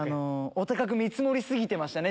お高く見積もり過ぎてましたね